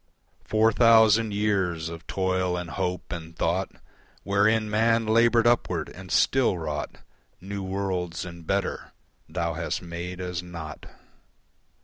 Four thousand years of toil and hope and thought Wherein man laboured upward and still wrought New worlds and better, Thou hast made as naught.